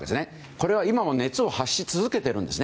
これは今も熱を発し続けています。